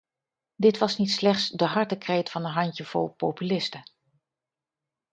Dit was niet slechts de hartenkreet van een handjevol populisten.